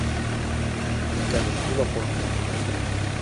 Leccare il culo a qualcuno.